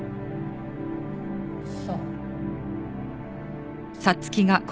そう。